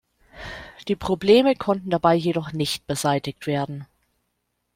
Die Probleme konnten dabei jedoch nicht beseitigt werden.